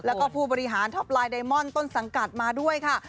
แล้วก็ผู้บริหารท็อปไลน์ไดมอนต้นสังกัดมาด้วยค่ะ